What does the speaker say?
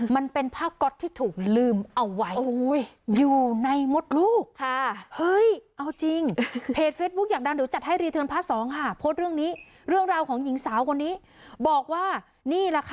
มันเป็นภาพก็อตที่ถูกลืมเอาไว้